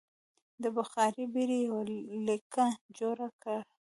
د بخار بېړۍ یوه لیکه جوړه کړه.